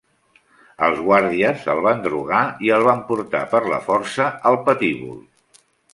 Els guàrdies el van drogar i el van portar per la força al patíbul.